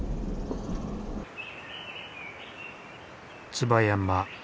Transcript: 椿山。